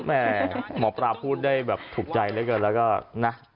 ไม่หมอปลาพูดได้แบบถูกใจแล้วกันแล้วก็นะ